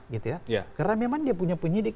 karena memang dia punya penyidik